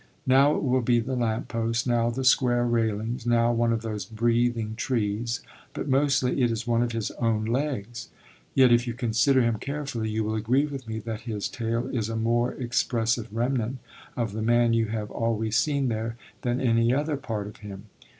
Now it will be the lamp post, now the square railings, now one of those breathing trees; but mostly it is one of his own legs. Yet if you consider him carefully you will agree with me that his tail is a more expressive remnant of the man you have always seen there than any other part of him.